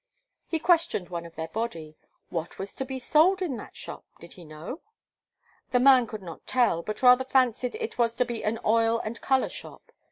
He questioned one of their body: what was to be sold in that shop did he know? The man could not tell, but rather fancied it was to be an oil and colour shop.